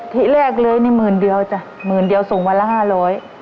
ที่แรกเลยนี่หมื่นเดียวจ้ะหมื่นเดียวส่งวันละห้าร้อย